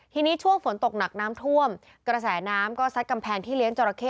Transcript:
ทีนี้ช่วงฝนตกหนักน้ำท่วมกระแสน้ำก็ซัดกำแพงที่เลี้ยงจราเข้